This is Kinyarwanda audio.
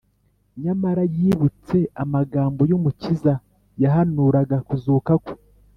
nyamara yibutse amagambo y’umukiza yahanuraga kuzuka kwe